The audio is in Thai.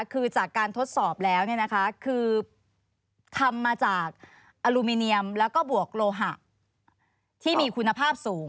คือจากการทดสอบแล้วคือทำมาจากอลูมิเนียมแล้วก็บวกโลหะที่มีคุณภาพสูง